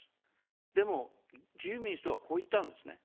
でも、自由民主党は、こう言ったんですね。